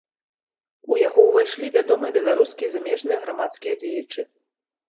У яго ўвайшлі вядомыя беларускія і замежныя грамадскія дзеячы.